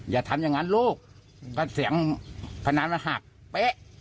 อย่าทำอย่างนั้นลูกก็เสียงพนันมันหักเป๊ะ